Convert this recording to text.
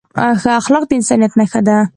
ښه اخلاق د انسانیت نښه ده.